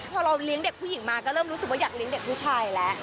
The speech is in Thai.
พอเราเลี้ยงเด็กผู้หญิงมาก็เริ่มรู้สึกว่าอยากเลี้ยงเด็กผู้ชายแล้ว